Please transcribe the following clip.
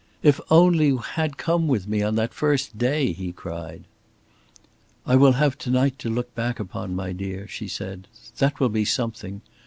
"If only you had come with me on that first day," he cried. "I will have to night to look back upon, my dear," she said. "That will be something.